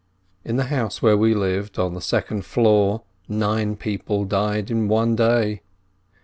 In the house where we lived, on the second floor, nine people died in one day.